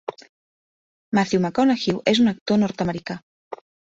Matthew McConaughey és un actor nord-americà.